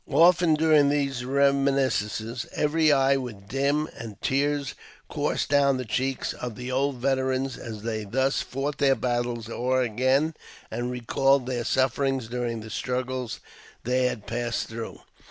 30 AUTOBIOOBAPHY OF Often during these reminiscences every eye would dim, and tears course down the cheeks of the old veterans, as they thus fought their battles o'er again, and recalled their sufferings during the struggles they had passed through.